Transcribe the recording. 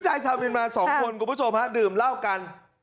ใจชาวบินมา๒คนคุณผู้ชมฮะดื่มเล่ากัน